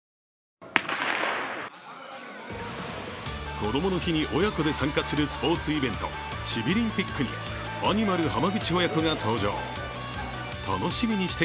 こどもの日に親子で参加するスポーツイベントチビリンピックにアニマル浜口親子が登場しました。